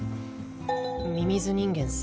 「ミミズ人間３」。